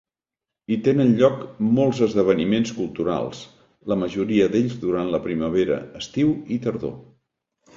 Hi tenen lloc molts esdeveniments culturals, la majoria d'ells durant la primavera, estiu i tardor.